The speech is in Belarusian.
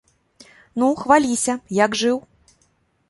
Ну, хваліся, як жыў?